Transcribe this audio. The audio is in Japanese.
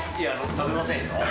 食べませんよ。